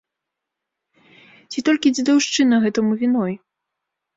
Ці толькі дзедаўшчына гэтаму віной?